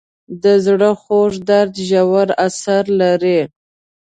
د زړه خوږ درد ژور اثر لري.